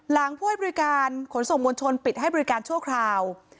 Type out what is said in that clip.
ผู้ให้บริการขนส่งมวลชนปิดให้บริการชั่วคราว